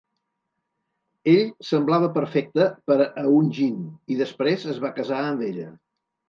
Ell semblava perfecte per a Eun-jin i després es va casar amb ella.